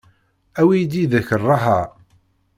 Awi-yi-d yid-k ṛṛaḥa.